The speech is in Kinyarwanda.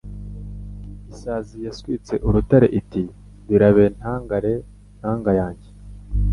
Isazi yaswitse urutare iti: birabe ntangare ntanga yange